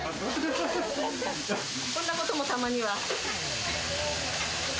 こんなこともたまには。